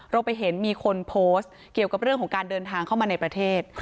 เราไปเห็นมีคนโพสต์เกี่ยวกับเรื่องของการเดินทางเข้ามาในประเทศ